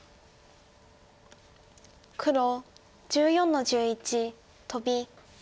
黒１４の十一トビ。